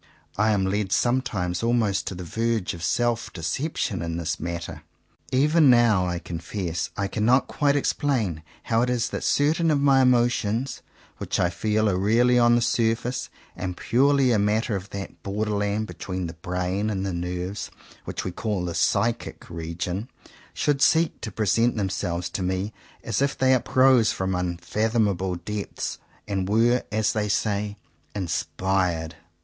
I am led sometimes almost to the verge of self deception in this matter. Even now I confess I cannot quite explain how it is that certain of my emotions, which I feel are really on the surface and purely a matter of that border land between the brain and the nerves which we call the "psychic" region, should seek to present themselves to me as if they uprose from unfathomable depths and were, as we say, inspired.